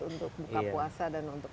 untuk buka puasa dan untuk